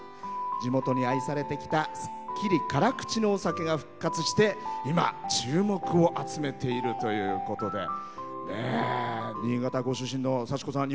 地元に愛されてきたすっきり辛口のお酒が復活して今注目を集めているということで新潟ご出身の幸子さん。